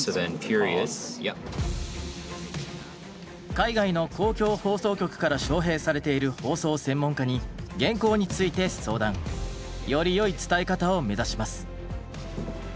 海外の公共放送局から招へいされている放送専門家に原稿について相談。よりよい伝え方を目指します。